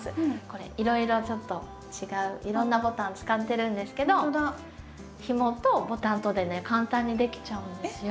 これいろいろちょっと違ういろんなボタン使ってるんですけどひもとボタンとでね簡単にできちゃうんですよ。